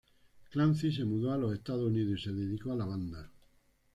Clancy se mudó a los Estados Unidos y se dedicó a la banda.